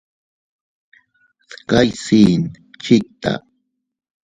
Dkayaasiin chikta.